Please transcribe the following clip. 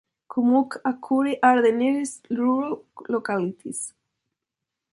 Kumukh and Khuri are the nearest rural localities.